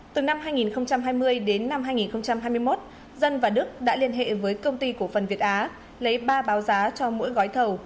từ năm hai nghìn hai mươi đến năm hai nghìn hai mươi một dân và đức đã liên hệ với công ty cổ phần việt á lấy ba báo giá cho mỗi gói thầu